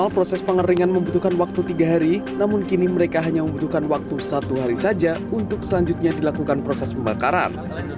peringan membutuhkan waktu tiga hari namun kini mereka hanya membutuhkan waktu satu hari saja untuk selanjutnya dilakukan proses pembakaran